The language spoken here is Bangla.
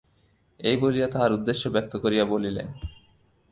এই বলিয়া তাঁহার উদ্দেশ্য ব্যক্ত করিয়া বলিলেন।